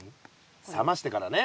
冷ましてからね。